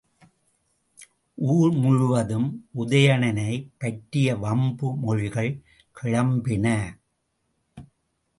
ஊர்முழுதும் உதயணனைப் பற்றிய வம்பு மொழிகள் கிளம்பின.